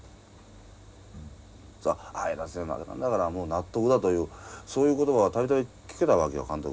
ああ江夏で負けたんだからもう納得だというそういう言葉は度々聞けたわけよ監督